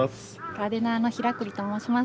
ガーデナーの平栗と申します。